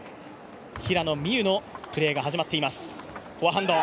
平野美宇のプレーが始まっています。